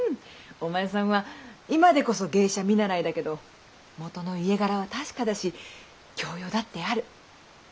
お前さんは今でこそ芸者見習だけどもとの家柄は確かだし教養だってある。